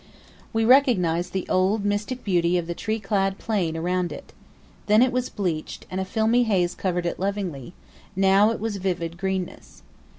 We recognised the old, mystic beauty of the tree clad plain around it. Then it was bleached, and a filmy haze covered it lovingly; now it was vivid greenness.